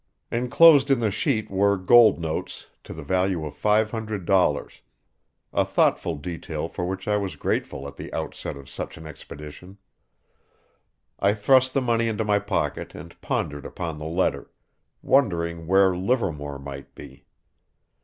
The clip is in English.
Inclosed in the sheet were gold notes to the value of five hundred dollars a thoughtful detail for which I was grateful at the outset of such an expedition. I thrust the money into my pocket and pondered upon the letter, wondering where Livermore might be.